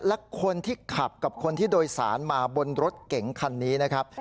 และคนที่ขับกับคนที่โดยสารมาบนรถเก๋งคันนี้นะครับ